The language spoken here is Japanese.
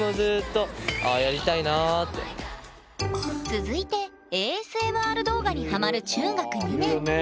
続いてＡＳＭＲ動画にハマる中学２年いるいる。